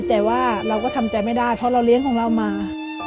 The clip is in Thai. แต่ว่าเราก็ทำใจไม่ได้เพราะเราเลี้ยงของเรามา